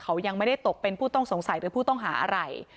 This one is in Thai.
เขายังไม่ได้ตกเป็นผู้ต้องหาอะไร